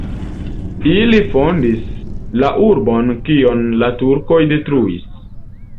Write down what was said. Ili fondis la urbon, kion la turkoj detruis.